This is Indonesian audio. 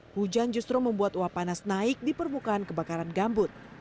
hujan justru membuat uap panas naik di permukaan kebakaran gambut